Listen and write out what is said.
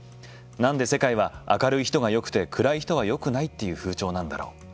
なんで世界は、明るい人がよくて暗い人はよくないっていう風潮なんだろう。